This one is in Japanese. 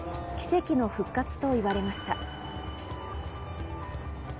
奇跡の復活といわれました。